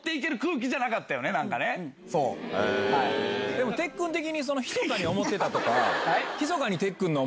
でもてっくん的にひそかに思ってたとか。